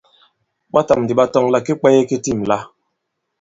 Ɓɔtàm ndì ɓa tɔŋ àlà ki kwāye ki tîm la.